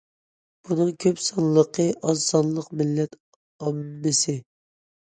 بۇنىڭ كۆپ سانلىقى ئاز سانلىق مىللەت ئاممىسى.